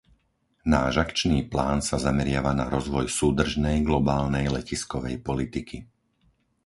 Náš akčný plán sa zameriava na rozvoj súdržnej globálnej letiskovej politiky.